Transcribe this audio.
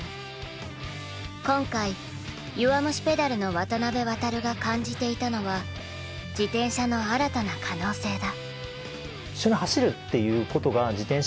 今回「弱虫ペダル」の渡辺航が感じていたのは自転車の新たな可能性だ。